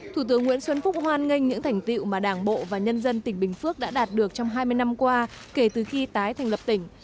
thủ tướng nguyễn xuân phúc hoan nghênh những thành tiệu mà đảng bộ và nhân dân tỉnh bình phước đã đạt được trong hai mươi năm qua kể từ khi tái thành lập tỉnh